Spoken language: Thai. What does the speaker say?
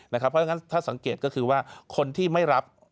เพราะฉะนั้นถ้าสังเกตก็คือว่าคนที่ไม่รับ